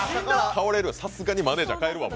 倒れる、さすがにマネージャー代えるわ。